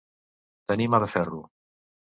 Tenir mà de ferro.